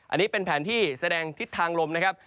อันนี้เป็นแผนที่แสดงทิศทางลมนะครับ